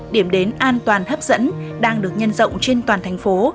điểm đến an toàn hấp dẫn đang được nhân rộng trên toàn thành phố